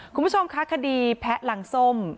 คุณผู้ชมคะคดีแพะหลังส้ม